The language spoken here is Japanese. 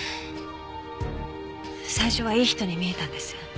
最初はいい人に見えたんです。